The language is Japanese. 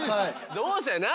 どうして？